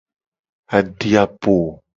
Adi a po.